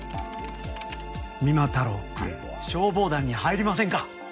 三馬太郎くん消防団に入りませんか？